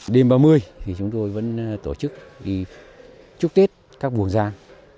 đêm ba mươi thì chúng tôi vẫn tổ chức đi chúc tết các buồn gian